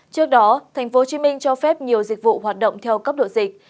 trước đó tp hcm cho phép nhiều dịch vụ hoạt động theo cấp độ dịch